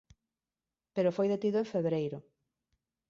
Pero foi detido en febreiro.